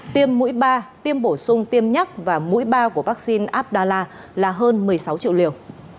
tiêm mũi ba tiêm bổ sung tiêm nhắc và mũi bao của vaccine abdallah là hơn một mươi sáu triệu liều